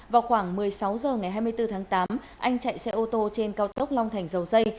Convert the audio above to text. vào khoảng một mươi sáu h ngày hai mươi bốn tháng tám anh chạy xe ô tô trên cao tốc long thành dầu dây